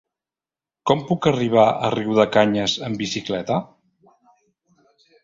Com puc arribar a Riudecanyes amb bicicleta?